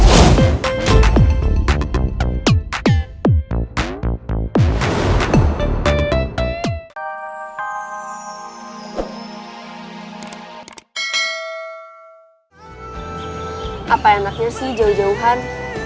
apa enaknya sih jauh jauhan